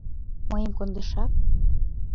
— Мыйым кондышак?